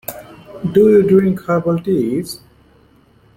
Do you drink herbal teas?